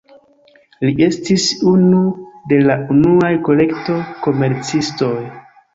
Li estis unu de la unuaj kolekto-komercistoj.